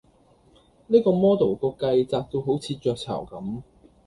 呢個 model 個髻扎到好似雀巢咁